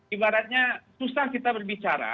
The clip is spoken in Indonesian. ibaratnya susah kita berbicara